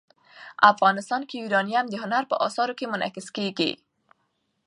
افغانستان کې یورانیم د هنر په اثار کې منعکس کېږي.